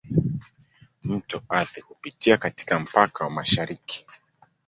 Mto Athi hupitia katika mpaka wa mashariki.